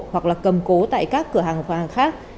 hoặc là cầm cố tại các cửa hàng vàng khác